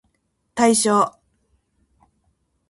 対象